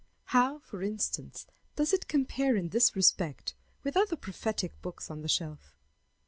How, for instance, does it compare in this respect with other prophetic books on the shelf?